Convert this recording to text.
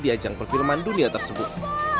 di ajang perfilman dunia tersebut